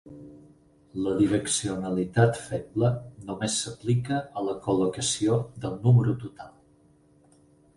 La direccionalitat feble només s'aplica a la col·locació del número total.